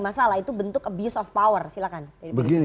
masalah itu bentuk abuse of power silahkan